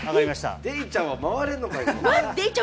デイちゃんは回れるんかい！